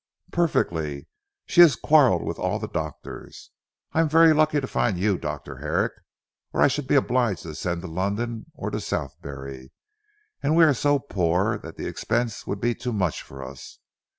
"Perfectly. She has quarrelled with all the doctors. I am very lucky to find you Dr. Herrick, or I should be obliged to send to London or to Southberry. And we are so poor, that the expense would be too much for us.